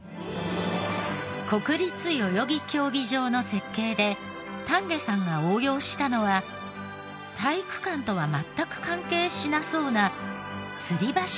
国立代々木競技場の設計で丹下さんが応用したのは体育館とは全く関係しなそうな